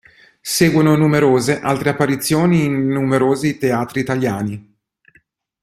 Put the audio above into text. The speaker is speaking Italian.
Seguono numerose altre apparizioni in numerosi teatri italiani.